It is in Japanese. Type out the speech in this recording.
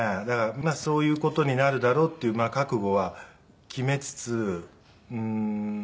そういう事になるだろうっていう覚悟は決めつつうーん。